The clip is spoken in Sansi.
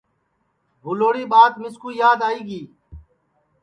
بھولوری ٻات مِسکُو یاد آئی گی